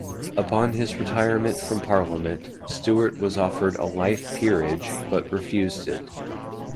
Upon his retirement from Parliament, Stewart was offered a Life Peerage, but refused it.